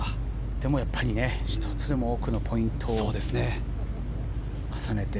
でも１つでも多くのポイントを重ねて。